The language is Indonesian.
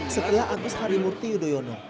setelah agus harimurti yudhoyono